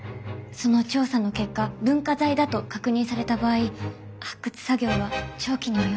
その調査の結果文化財だと確認された場合発掘作業は長期に及びます。